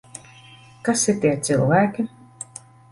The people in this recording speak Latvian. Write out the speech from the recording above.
Kas ir tie cilvēki?